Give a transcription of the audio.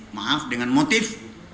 maaf dengan motif